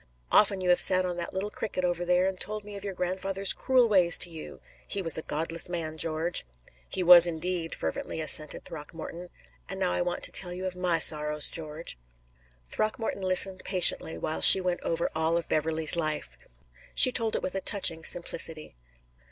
Often you have sat on that little cricket over there and told me of your grandfather's cruel ways to you he was a godless man, George." "He was indeed," fervently assented Throckmorton. "And now I want to tell you of my sorrows, George." Throckmorton listened patiently while she went over all of Beverley's life. She told it with a touching simplicity.